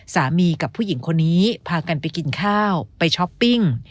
สามีกับผู้หญิงคนนี้พากันไปกินข้าวไปช้อปปิ้ง